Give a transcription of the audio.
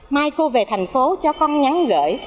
mai cô về thành phố cho con nhắn gửi